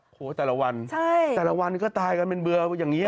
โอ้โหแต่ละวันแต่ละวันก็ตายกันเป็นเบื่ออย่างนี้